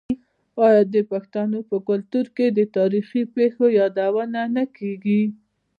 آیا د پښتنو په کلتور کې د تاریخي پیښو یادونه نه کیږي؟